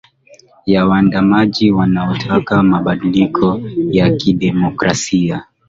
ya waandamanaji wanaotaka mabadiliko ya kidemokrasia